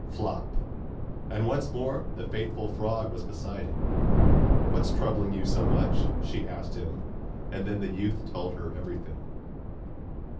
Flop! and once more the faithful frog was beside him. 'What is troubling you so much?' she asked him, and then the youth told her everything.